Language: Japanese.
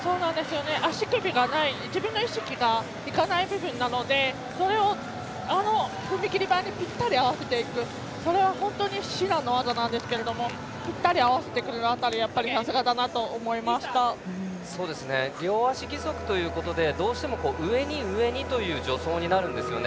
足首がない自分の意識が行かない部分なのでそれを、踏み切り板にぴったり合わせていくそれは本当に至難の業なんですがぴったり合わせてくる辺り両足義足ということで上に上にという助走になるんですよね。